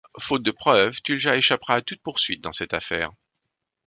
Faute de preuve, Tulja échappera à toute poursuite dans cette affaire.